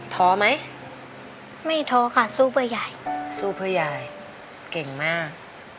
ท้อไหมไม่ท้อค่ะสู้เพื่อยายสู้เพื่อยายเก่งมาก